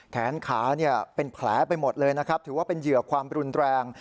แขนขาเป็นแผลไปหมดเลยนะครับถือว่าเป็นเหยื่อความรุนแรง